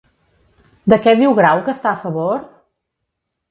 De què diu Grau que està a favor?